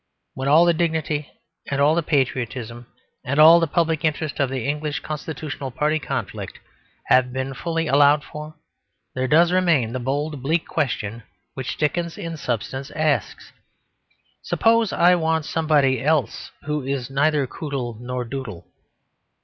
When all the dignity and all the patriotism and all the public interest of the English constitutional party conflict have been fully allowed for, there does remain the bold, bleak question which Dickens in substance asks, "Suppose I want somebody else who is neither Coodle nor Doodle."